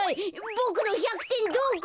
ボクの１００てんどこ？